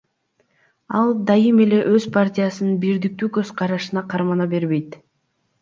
Ал дайым эле өз партиясынын бирдиктүү көз карашын кармана бербейт.